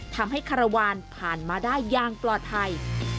ทำให้คารวารผ่านมาได้อย่างปลอดภัย